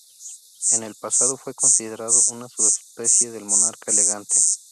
En el pasado fue considerado una subespecie del monarca elegante.